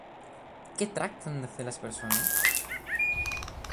Què tracten de fer les persones?